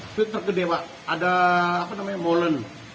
itu tergede pak ada apa namanya molen